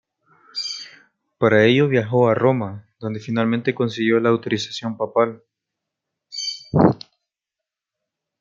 Para ello viajó a Roma, donde finalmente consiguió la autorización papal.